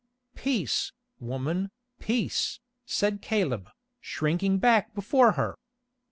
"Peace, woman, peace," said Caleb, shrinking back before her.